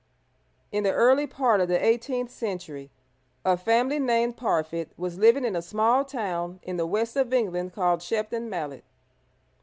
_ In the early part of the eighteenth century a family named Parfitt were living in a small town in the West of England called Shepton Mallet.